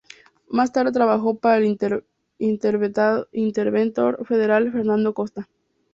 Más tarde trabajó para el interventor federal Fernando Costa.